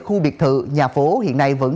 khu biệt thự nhà phố hiện nay vẫn